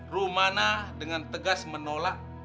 rumana dengan tegas menolak